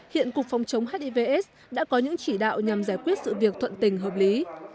hiện cục phòng chống hivs đã có những chỉ đạo nhằm giải quyết sự việc thuận tình hợp lý